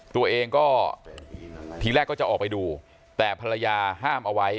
ตัวเองก็ทีแรกก็จะออกไปดูแต่ภรรยาห้ามเอาไว้